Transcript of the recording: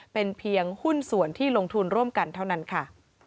เป็นเพียงหุ้นส่วนที่ลงทุนร่วมกันเท่านั้นค่ะ